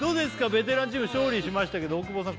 ベテランチーム勝利しましたけど大久保さん